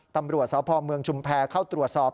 ตำรวจสพเมืองชุมแพรเข้าตรวจสอบ